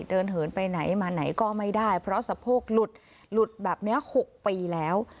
เหินไปไหนมาไหนก็ไม่ได้เพราะสะโพกหลุดหลุดแบบนี้๖ปีแล้ว